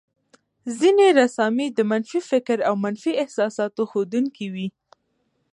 ځينې رسامۍ د منفي فکر او منفي احساساتو ښودونکې وې.